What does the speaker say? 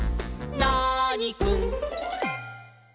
ナーニくん」